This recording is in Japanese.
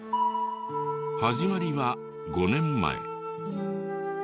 始まりは５年前。